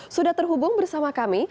sudah terhubung bersama kami